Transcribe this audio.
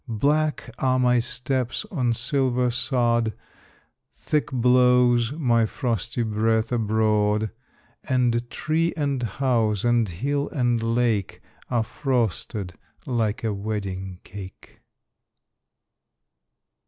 Black are my steps on silver sod; Thick blows my frosty breath abroad; And tree and house, and hill and lake, Are frosted like a wedding cake.